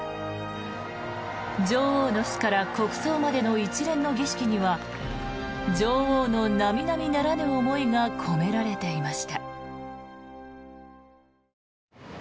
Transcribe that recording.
女王の死から国葬までの一連の儀式には女王の並々ならぬ思いが込められていました。